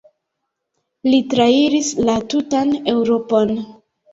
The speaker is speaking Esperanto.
Li trairis la tutan Eŭropon.